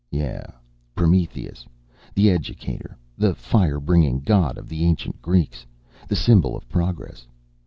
Yeah, Prometheus, the educator, the fire bringing god of the ancient Greeks. The symbol of progress.